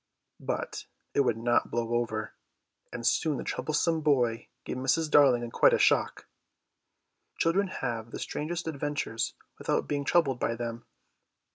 But it would not blow over and soon the troublesome boy gave Mrs. Darling quite a shock. Children have the strangest adventures without being troubled by them.